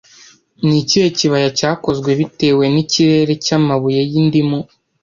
Ni ikihe kibaya cyakozwe bitewe nikirere cyamabuye y'indimu